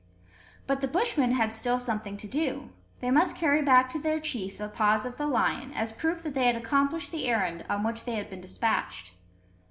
But the Bushmen had still something to do. They must carry back to their chief the paws of the lion, as proof that they had accomplished the errand on which they had been despatched.